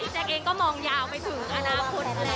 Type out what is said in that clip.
แจ๊กเองก็มองยาวไปถึงอนาคตแล้ว